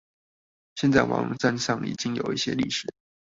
現在網站上已經有一些歷史